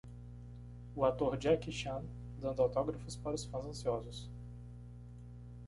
o ator Jackie Chan dando autógrafos para os fãs ansiosos.